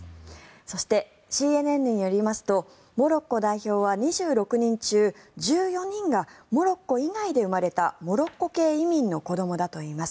そして、ＣＮＮによりますとモロッコ代表は２６人中１４人がモロッコ以外で生まれたモロッコ系移民の子どもだといいます。